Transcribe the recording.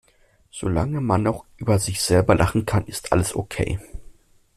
Solange man noch über sich selber lachen kann, ist alles okay.